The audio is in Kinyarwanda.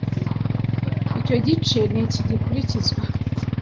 Icyo gice ni iki gikurikizwa